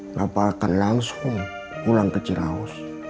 bapak akan langsung pulang ke ciraus